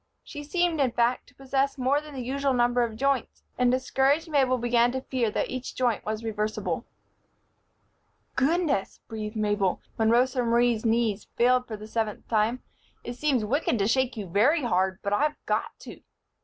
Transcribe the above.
She seemed, in fact, to possess more than the usual number of joints, and discouraged Mabel began to fear that each joint was reversible. "Goodness!" breathed Mabel, when Rosa Marie's knees failed for the seventh time, "it seems wicked to shake you very hard, but I've got to."